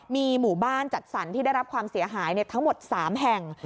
มีหมู่บ้านจัดสรรที่ได้รับความเสียหายทั้งหมด๓แห่ง